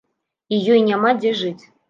І ёй няма дзе жыць.